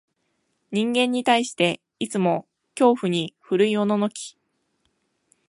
人間に対して、いつも恐怖に震いおののき、